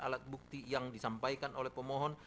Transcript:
alat bukti yang disampaikan oleh pemohon